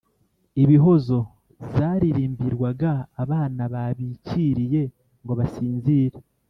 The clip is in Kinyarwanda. Ibihozo: zaririmbirwaga abana babikiriye ngo basinzire